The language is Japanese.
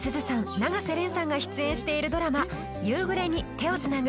永瀬廉さんが出演しているドラマ「夕暮れに、手をつなぐ」